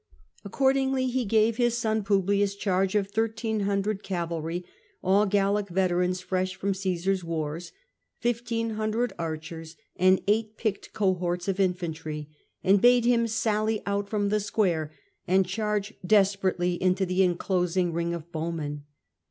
Accordingly he gave his son Publius charge sf 1300 cavalry — all Gallic veterans fresh from Gsesar's Rrars, 1500 archers, and eight picked cohorts of infantry, and bade him sally out from the square and charge desperately into the enclosing ring of bowmen.